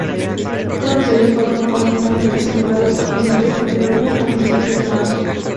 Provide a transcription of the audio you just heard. Todos ellos fueron originalmente celebrados a finales de febrero o principios de marzo.